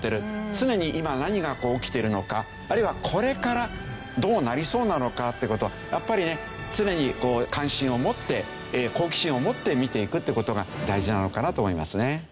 常に今何が起きてるのかあるいはこれからどうなりそうなのかっていう事をやっぱりね常に関心を持って好奇心を持って見ていくっていう事が大事なのかなと思いますね。